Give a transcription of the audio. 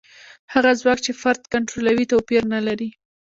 هغه ځواک چې فرد کنټرولوي توپیر نه لري.